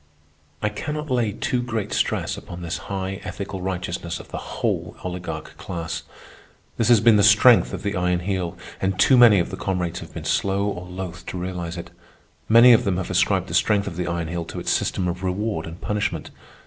I cannot lay too great stress upon this high ethical righteousness of the whole oligarch class. This has been the strength of the Iron Heel, and too many of the comrades have been slow or loath to realize it. Many of them have ascribed the strength of the Iron Heel to its system of reward and punishment.